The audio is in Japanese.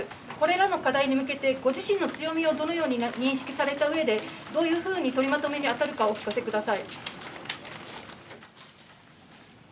これらの課題に向けて、ご自身の強みを認識されたうえで、どういうふうに取りまとめに当たるかお聞かせください。